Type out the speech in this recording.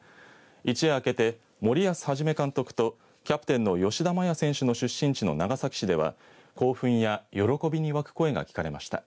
一夜明けて森保一監督とキャプテンの吉田麻也選手の出身地の長崎市では興奮や喜びに沸く声が聞かれました。